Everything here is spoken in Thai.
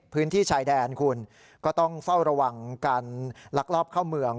พื้นที่ชายแดนคุณก็ต้องเฝ้าระวังการลักลอบเข้าเมือง